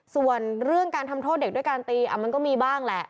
ส่วนเรื่องการทำโทษเด็กด้วยการตีมันก็มีบ้างแหละ